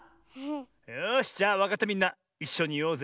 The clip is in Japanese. よしじゃあわかったみんないっしょにいおうぜ！